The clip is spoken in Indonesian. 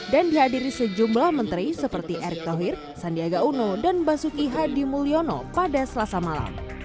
dan dihadiri sejumlah menteri seperti erick tohir sandiaga uno dan basuki hadimulyono pada selasa malam